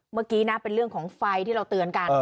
เมื่อกี้นะเป็นเรื่องของไฟที่เราเตือนกัน